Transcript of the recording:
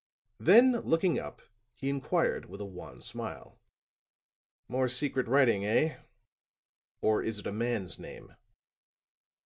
Then looking up he inquired with a wan smile. "More secret writing, eh? Or is it a man's name?"